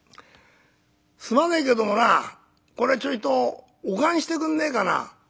すまねえけどもなこれちょいとお燗してくんねえかな」。